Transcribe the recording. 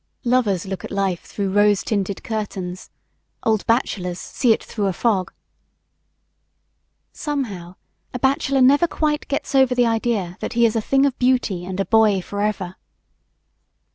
Lovers look at life through rose colored curtains; old bachelors see it through a fog. Somehow, a bachelor never quite gets over the idea that he is a thing of beauty and a boy forever!